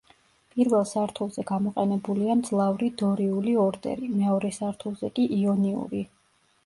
პირველ სართულზე გამოყენებულია მძლავრი დორიული ორდერი, მეორე სართულზე კი იონიური.